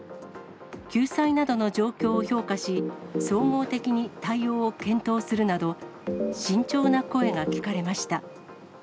救済などの状況を評価し、総合的に対応を検討するなど、慎重な声が聞かれました。